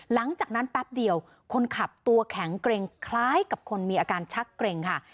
หลังจากนั้นแป๊บเดียวคนขับตัวแข็งเกร็งคล้ายกับคนมีอาการชักเกร็งค่ะ